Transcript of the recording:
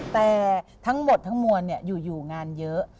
แต่ทั้งหมดทั้งมวลเนี่ยอยู่อยู่งานเยอะ